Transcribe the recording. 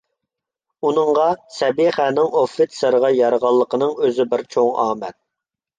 ئۇنىڭغا سەبىخەنىڭ ئوفىتسېرغا يارىغانلىقىنىڭ ئۆزى بىر چوڭ ئامەت.